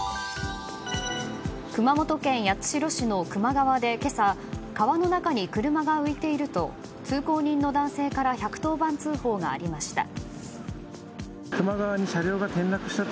熊本県八代市の球磨川で今朝、川の中に車が浮いていると通行人の男性から１１０番通報がありました。